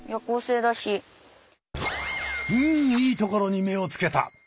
うんいいところに目をつけた。